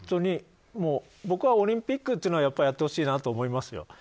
僕はオリンピックというのはやってほしいなと思いますよ。